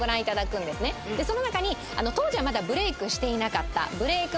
その中に当時はまだブレイクしていなかったブレイク